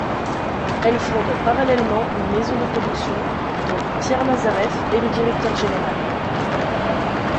Elle fonde parallèlement une maison de production, dont Pierre Lazareff est le directeur général.